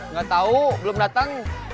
gak tau belum datang